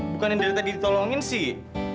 bukan yang dari tadi ditolongin sih